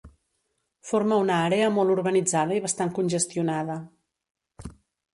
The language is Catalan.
Forma una àrea molt urbanitzada i bastant congestionada.